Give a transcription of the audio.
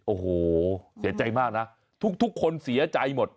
โอ้โหเสียใจมากนะทุกคนเสียใจหมด